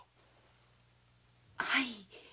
はい。